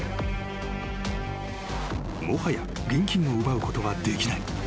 ［もはや現金を奪うことはできない］